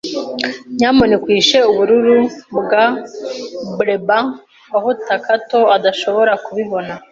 Nyamuneka uhishe ubururu bwa blueberry aho Takako adashobora kubibona.